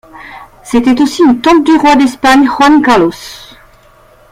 C'était aussi une tante du roi d'Espagne Juan Carlos.